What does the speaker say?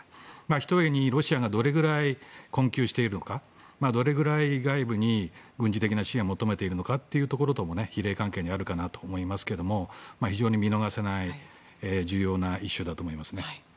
ひとえにロシアがどれぐらい困窮しているのかそれぐらい外部に軍事的な支援を求めているのかというところとも比例関係にあるかなと思いますが非常に見逃せない重要なイシューだと思いますね。